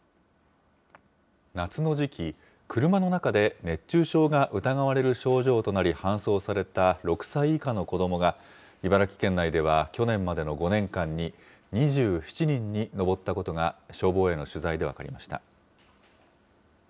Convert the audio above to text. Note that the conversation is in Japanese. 夏の時期、車の中で熱中症が疑われる症状となり搬送された６歳以下の子どもが、茨城県内では去年までの５年間に２７人に上ったことが消防への取材で分かりました。